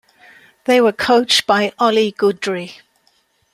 They were coached by Ollie Guidry.